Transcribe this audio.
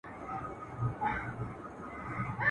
نه د چا په زړه کي رحم، نه زړه سوی وو ..